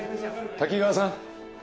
滝川さん。